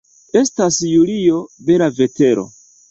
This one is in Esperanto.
Estas julio, bela vetero.